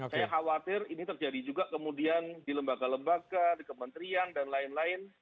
saya khawatir ini terjadi juga kemudian di lembaga lembaga di kementerian dan lain lain